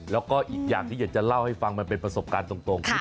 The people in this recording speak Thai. แล้วก็อีกอย่างที่อยากจะเล่าให้ฟังมันเป็นประสบการณ์ตรง